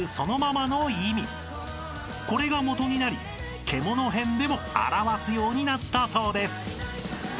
［これが元になり獣へんでも表すようになったそうです］